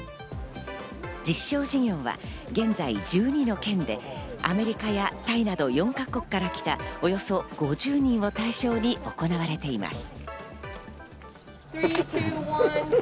実証事業は現在、１２の県でアメリカやタイなど４か国から来たおよそ５０人を対象に行われています。